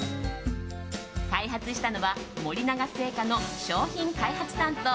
開発したのは森永製菓の商品開発担当